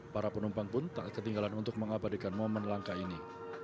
para penumpang pun tak ketinggalan untuk mengabadikan momen langka ini